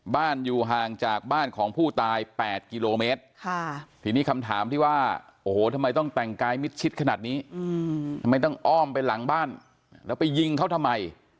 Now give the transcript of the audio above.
บ้านอยู่ห่างจากบ้านของผู้ตาย๘กิโลเมตรทีนี้คำถามที่ว่าโอ้โหทำไมต้องแต่งกายมิดชิดขนาดนี้ทำไมต้องอ้อมไปหลังบ้านแล้วไปยิงเขาทำไม